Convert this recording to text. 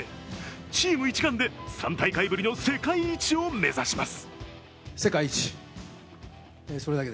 チーム一丸で３大会ぶりの世界一を目指します。